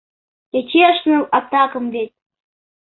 Кечеш ныл атакым вет!..